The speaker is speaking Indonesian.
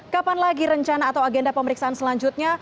kapan lagi rencana atau agenda pemeriksaan selanjutnya